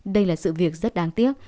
đây là sự việc rất đáng tiếc